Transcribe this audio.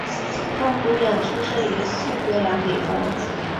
万姑娘出生于苏格兰北方。